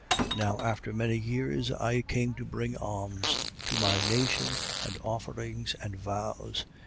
24:17. Now after many years, I came to bring alms to my nation and offerings and vows.